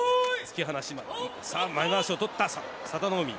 さあ前まわしをとった佐田の海。